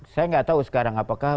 saya nggak tahu sekarang apakah